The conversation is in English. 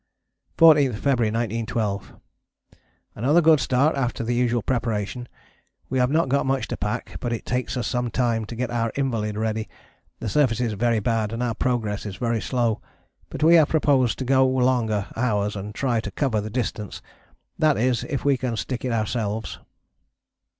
14th February 1912. Another good start after the usual preparation, we have not got much to pack, but it takes us some time, to get our invalid ready, the surface is very bad and our progress is very slow, but we have proposed to go longer hours and try to cover the distance, that is if we can stick it ourselves.